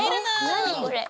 何これ。